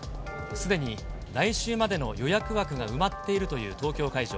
すでに来週までの予約枠が埋まっているという東京会場。